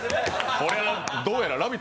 これは、どうやら「ラヴィット！」